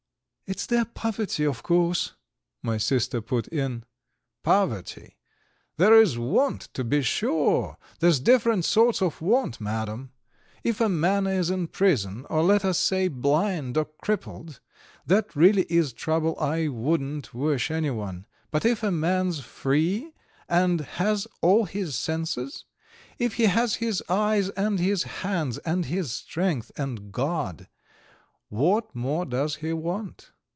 "It's their poverty, of course," my sister put in. "Poverty? There is want to be sure, there's different sorts of want, Madam. If a man is in prison, or let us say blind or crippled, that really is trouble I wouldn't wish anyone, but if a man's free and has all his senses, if he has his eyes and his hands and his strength and God, what more does he want?